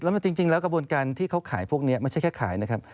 แล้วจริงแล้วกระบวนการที่เขาขายพวกนี้ไม่ใช่แค่ขายนะครับ